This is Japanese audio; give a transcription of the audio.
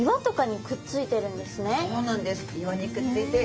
そうなんです。